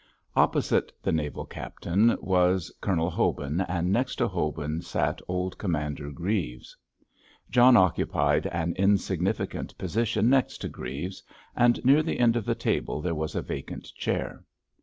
Opposite the naval captain was Colonel Hobin, and next to Hobin sat old Commander Greaves. John occupied an insignificant position next to Greaves, and near the end of the table there was a vacant chair.